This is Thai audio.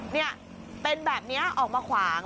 นี่เป็นแบบนี้ออกมาขวาง